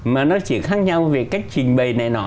mà nó chỉ khác nhau về cách trình bày này nọ